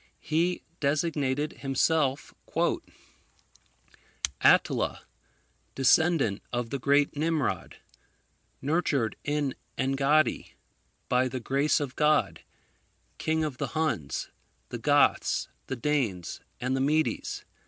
He designated himself "ATTILA, Descendant of the Great Nimrod. Nurtured in Engaddi. By the Grace of God, King of the Huns, the Goths, the Danes, and the Medes.